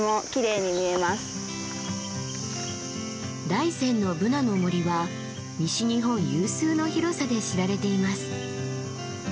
大山のブナの森は西日本有数の広さで知られています。